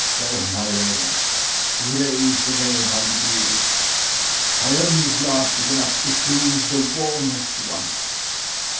"So, my lady, you raise the veil by degrees ... I own this last is enough to freeze The warmest wight!